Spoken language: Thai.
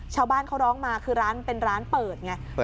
เช้าบ้านเขาร้องมาคือเป็นร้านเปิดขึ้นไง